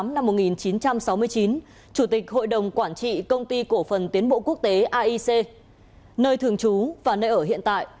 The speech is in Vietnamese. năm một nghìn chín trăm sáu mươi chín chủ tịch hội đồng quản trị công ty cổ phần tiến bộ quốc tế aic nơi thường trú và nơi ở hiện tại